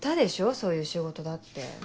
そういう仕事だって。